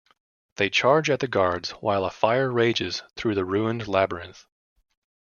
They charge at the guards while a fire rages through the ruined Labyrinth.